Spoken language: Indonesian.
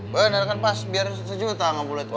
bener kan pas biar sejuta nggak boleh ditek